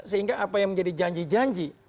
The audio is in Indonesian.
sehingga apa yang menjadi janji janji